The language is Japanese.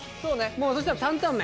もうそしたら担々麺。